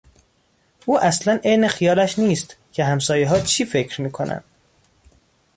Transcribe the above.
او اصلا عین خیالش نیست که همسایهها چی فکر می کنن.